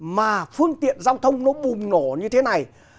mà phương tiện giao thông nó bùng nổ như thế này